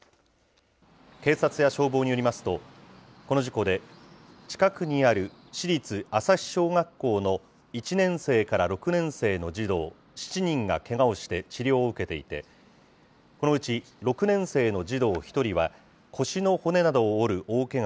警察や消防によりますと、この事故で、近くにある市立朝日小学校の１年生から６年生の児童７人がけがをして治療を受けていて、このうち６なん、６年生の児童１人は、腰の骨などを折る大けが